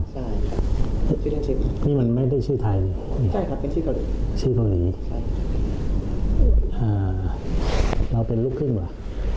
ใช่มันไม่ได้ชื่อไทยใช่ครับเป็นชื่อเกาหลีชื่อเขานี้